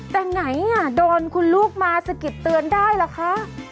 แต่ไหนโดนคุณลูกมาสะกิดเตือนได้ล่ะคะ